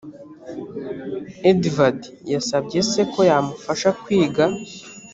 edvard yasabye se ko yamufasha kwiga